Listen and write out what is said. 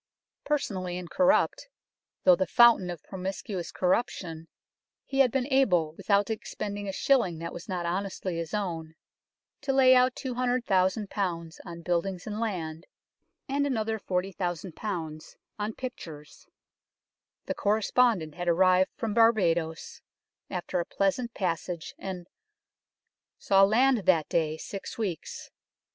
Personally incorrupt, though the fountain of promiscuous corruption, he had been able, without expending a shilling that was not honestly his own, to lay out 200,000 on buildings and land, and another 40,000 on pictures. The correspondent had arrived from Barbadoes, after a pleasant passage, and " saw land that day six weeks."